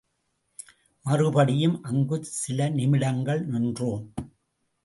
மறுபடியும் அங்குச் சில நிமிடங்கள் நின்றோம்.